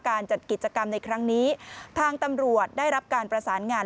การจัดกิจกรรมในครั้งนี้ทางตำรวจได้รับการประสานงาน